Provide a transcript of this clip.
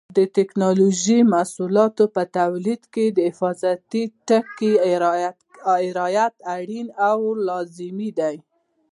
د ټېکنالوجۍ محصولاتو په تولید کې د حفاظتي ټکو رعایت اړین او لازمي دی.